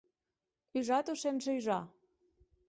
Usat o sense usar?